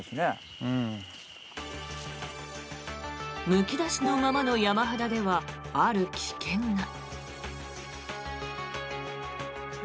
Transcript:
むき出しのままの山肌ではある危険が。